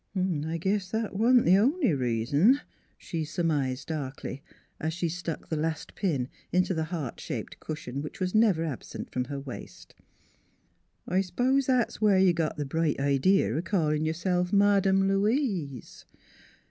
" I guess that wa'n't th' only reason," she sur mised darkly, as she stuck the last pin into the heart shaped cushion which was never absent NEIGHBORS 173 from her waist. " I s'pose that's where you got th' bright idee of callin' yourself Madame Louise?